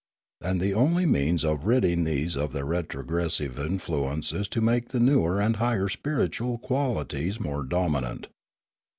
And the only means of ridding these of their retrogres sive influence is to make the newer and higher spiritual qualities more dominant.